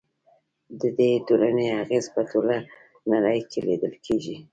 د دې ټولنې اغیز په ټوله نړۍ کې لیدل کیږي.